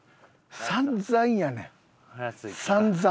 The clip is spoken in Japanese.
散々やねん。